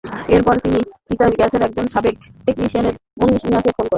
এরপর তিনি তিতাস গ্যাসের একজন সাবেক টেকনিশিয়ান মনু মিয়াকে ফোন করেন।